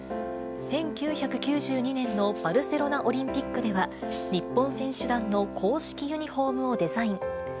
１９９２年のバルセロナオリンピックでは、日本選手団の公式ユニホームをデザイン。